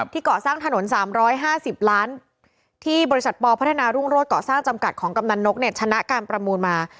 เกาะสร้างถนน๓๕๐ล้านที่บริษัทปพัฒนารุ่งโรศก่อสร้างจำกัดของกำนันนกเนี่ยชนะการประมูลมา